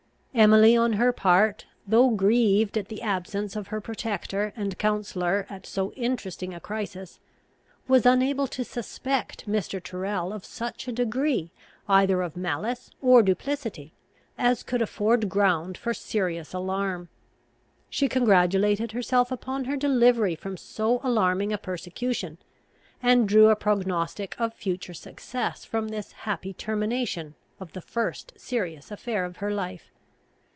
Emily, on her part, though grieved at the absence of her protector and counsellor at so interesting a crisis, was unable to suspect Mr. Tyrrel of such a degree either of malice or duplicity as could afford ground for serious alarm. She congratulated herself upon her delivery from so alarming a persecution, and drew a prognostic of future success from this happy termination of the first serious affair of her life.